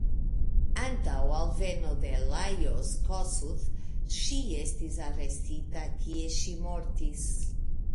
Antaŭ alveno de Lajos Kossuth ŝi estis arestita, kie ŝi mortis.